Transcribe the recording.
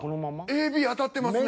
ＡＢ当たってますね。